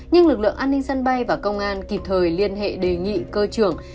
nhưng lực lượng an ninh sân bay và công an kịp thời liên hệ đề nghị cơ trưởng